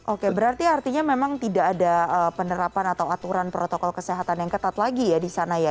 oke berarti artinya memang tidak ada penerapan atau aturan protokol kesehatan yang ketat lagi ya di sana ya